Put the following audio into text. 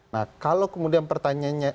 nah kalau kemudian pertanyaannya